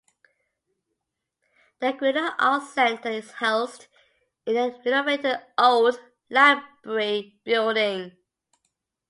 The Grinnell Arts Center is housed in the renovated old library building.